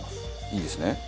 いいですね？